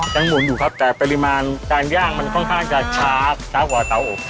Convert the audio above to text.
หมุนอยู่ครับแต่ปริมาณการย่างมันค่อนข้างจะช้าช้ากว่าเตาอบ